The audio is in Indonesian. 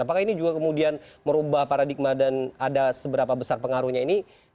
apakah ini juga kemudian merubah paradigma dan ada seberapa besar pengaruhnya ini